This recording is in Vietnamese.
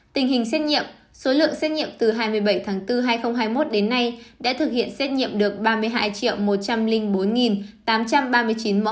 tình hình xét nghiệm số lượng xét nghiệm từ hai mươi bảy tháng bốn hai nghìn hai mươi một đến nay đã thực hiện xét nghiệm được ba mươi hai một trăm linh bốn tám trăm ba mươi chín mẫu